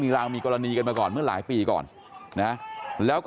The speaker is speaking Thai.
ราวมีกรณีกันมาก่อนเมื่อหลายปีก่อนนะแล้วก็